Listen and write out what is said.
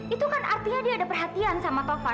itu kan artinya dia ada perhatian sama tova